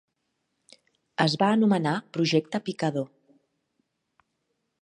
Es va anomenar projecte Picador.